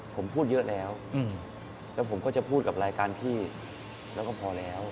ผมพูดเยอะแล้วแล้วผมก็จะพูดกับรายการพี่แล้วก็พอแล้ว